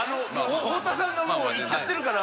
太田さんがもういっちゃってるから。